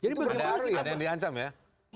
itu baru ya yang diancam ya